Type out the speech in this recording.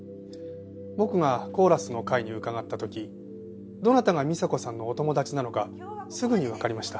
僕がコーラスの会に伺った時どなたが美沙子さんのお友達なのかすぐにわかりました。